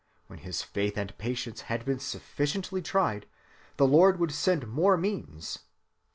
When his faith and patience had been sufficiently tried, the Lord would send more means.